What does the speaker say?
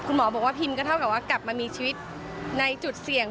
หมอบอกว่าพิมก็เท่ากับว่ากลับมามีชีวิตในจุดเสี่ยง